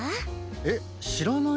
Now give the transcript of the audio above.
えっしらないの？